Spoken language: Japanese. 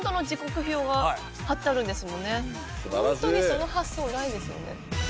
ほんとにその発想ないですよね。